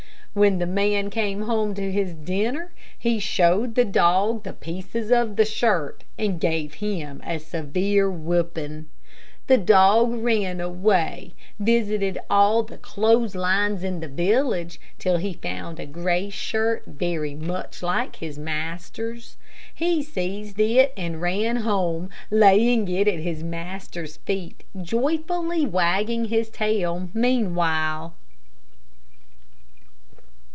When the man came home to his dinner, he showed the dog the pieces of the shirt, and gave him a severe whipping. The dog ran away, visited all the clothes lines in the village, till he found a gray shirt very like his master's. He seized it and ran home, laying it at his master's feet, joyfully wagging his tail meanwhile.